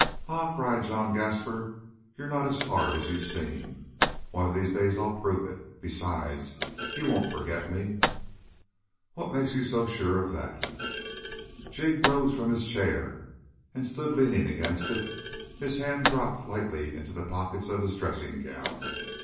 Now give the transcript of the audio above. "Ah," cried John Gaspar, "you're not as hard as you seem. One of these days I'll prove it. Besides, you won't forget me." "What makes you so sure of that?" Jig rose from his chair and stood leaning against it, his hands dropped lightly into the pockets of his dressing gown.